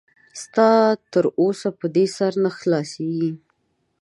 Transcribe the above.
ستا تر اوسه په دې سر نه خلاصېږي.